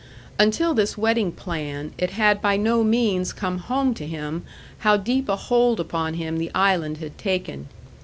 Until this wedding plan, it had by no means come home to him how deep a hold upon him the island had taken.